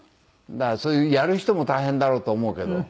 だからそういうやる人も大変だろうと思うけど。